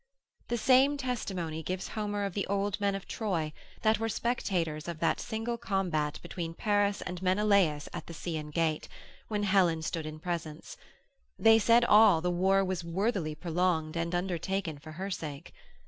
The same testimony gives Homer of the old men of Troy, that were spectators of that single combat between Paris and Menelaus at the Seian gate, when Helen stood in presence; they said all, the war was worthily prolonged and undertaken for her sake.